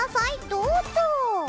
どうぞ！